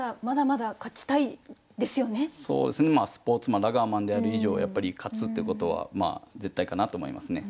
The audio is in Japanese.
そうですねスポーツマンラガーマンである以上やっぱり勝つっていうことは絶対かなと思いますね。